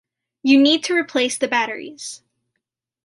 You need to replace the batteries.